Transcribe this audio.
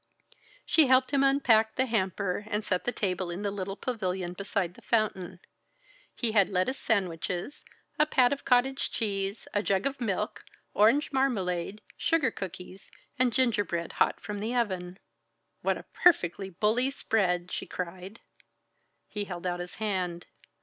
She helped him unpack the hamper and set the table in the little pavilion beside the fountain. He had lettuce sandwiches, a pat of cottage cheese, a jug of milk, orange marmalade, sugar cookies, and gingerbread hot from the oven. "What a perfectly bully spread!" she cried. He held out his hand.